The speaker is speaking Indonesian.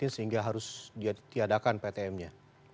sehingga harus diadakan ptm nya